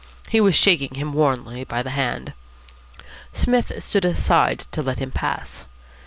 He was shaking him warmly by the hand. Psmith stood aside to let him pass.